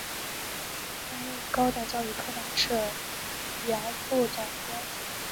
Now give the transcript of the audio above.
担任高等教育出版社原副总编辑。